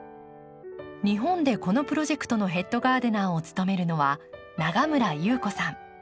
日本でこのプロジェクトのヘッドガーデナーを務めるのは永村裕子さん。